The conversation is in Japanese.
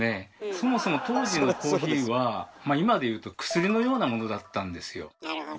そもそも当時のコーヒーは今でいうと薬のようなものだったんですよ。